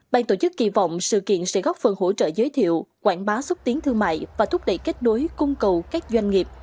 bàn tổ chức kỳ vọng sự kiện sẽ góp phần hỗ trợ giới thiệu quảng bá xúc tiến thương mại và thúc đẩy kết đối cung cầu các doanh nghiệp